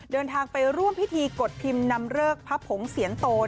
เดินทางไปร่วมพิธีกดพิมพ์นำเริกพระผงเสียงโตน